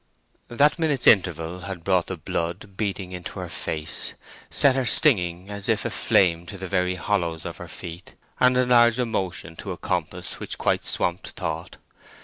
That minute's interval had brought the blood beating into her face, set her stinging as if aflame to the very hollows of her feet, and enlarged emotion to a compass which quite swamped thought.